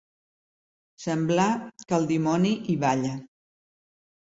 Semblar que el dimoni hi balla.